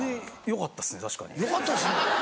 「よかったですね」。